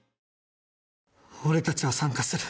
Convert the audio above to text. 俺たちは参加する。